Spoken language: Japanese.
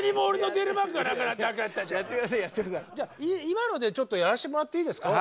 今のでちょっとやらしてもらっていいですか？